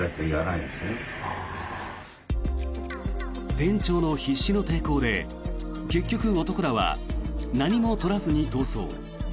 店長の必死の抵抗で結局、男らは何も取らずに逃走。